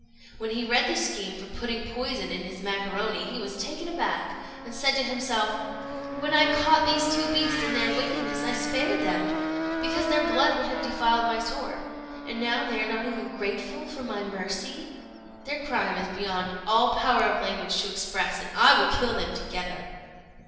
When he read the scheme for putting poison in his macaroni, he was taken aback, and said to himself, "When I caught those two beasts in their wickedness I spared them, because their blood would have defiled my sword; and now they are not even grateful for my mercy. Their crime is beyond all power of language to express, and I will kill them together."